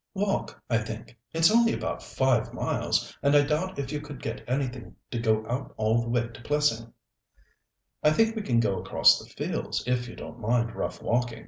"Walk, I think. It's only about five miles, and I doubt if you could get anything tonight to go out all the way to Plessing." "I think we can go across the fields, if you don't mind rough walking.